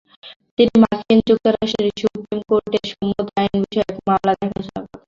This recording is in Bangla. তিনি মার্কিন যুক্তরাষ্ট্রের সুপ্রিম কোর্টের সমুদ্র আইন বিষয়ক মামলা দেখাশুনা করতেন।